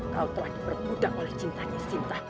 kau telah diperbudak oleh cintanya cinta